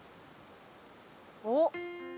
「おっ！